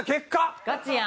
ガチやん。